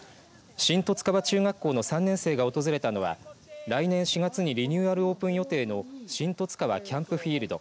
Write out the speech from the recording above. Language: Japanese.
新十津川中学校の３年生が訪れたのは来年４月にリニューアルオープン予定のしんとつかわキャンプフィールド。